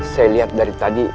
saya lihat dari tadi